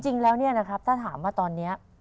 จริงแล้วเนี่ยนะครับถ้าถามว่าตอนนี้